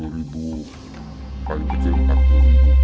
lima puluh ribu paling kecil empat puluh ribu